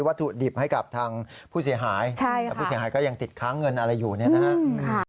เรื่องขายวัตถุดิบให้กับที่ผู้เสียหายผู้เสียหายยังติดค้าเงินอะไรอยู่นะครับ